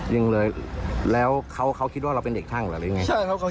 ยิงเลยแล้วเขาคิดว่าเราเป็นเด็กช่างหรือไง